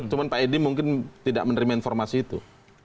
cuma pak edi mungkin tidak menerima informasi itu